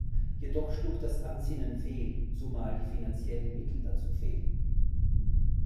Jedoch schlug das Ansinnen fehl, zumal die finanziellen Mittel dazu fehlten.